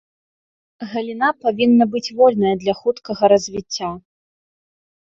Галіна павінна быць вольная для хуткага развіцця.